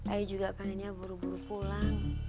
ayah juga pengennya buru buru pulang